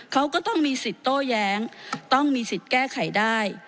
เขาก็ต้องมีสิทธิ์โต้แย้งต้องมีสิทธิ์แก้ไขได้